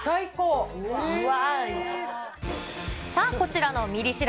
さあ、こちらのミリ知ら